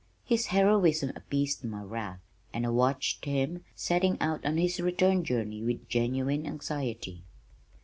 His heroism appeased my wrath and I watched him setting out on his return journey with genuine anxiety.